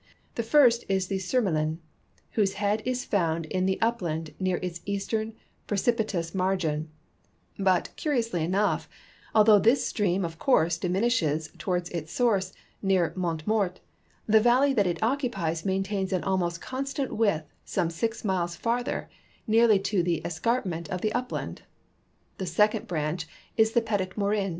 The first is the Sur melin, whose head is found in the upland near its eastern pre cipitous margin ; but, curiously enough, although this stream of course diminishes toward its source near Montmort, the valley that it occupies maintains an almost constant width some six miles farther, nearly to the escarpment of the upland. The second branch is the Petit Morin.